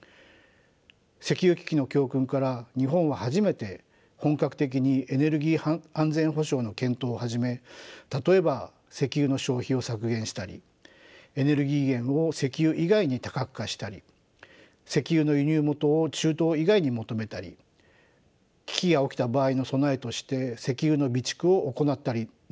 石油危機の教訓から日本は初めて本格的にエネルギー安全保障の検討を始め例えば石油の消費を削減したりエネルギー源を石油以外に多角化したり石油の輸入元を中東以外に求めたり危機が起きた場合の備えとして石油の備蓄を行ったりなどなどです。